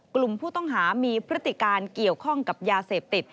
กลุ่มผู้ต้องหามีพฤติการเกี่ยวข้องกับยาเสพติด